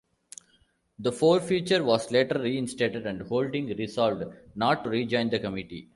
The forfeiture was later reinstated, and Holding resolved not to rejoin the committee.